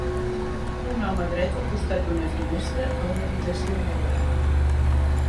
Un home dret al costat d'una finestra a una habitació molt gran.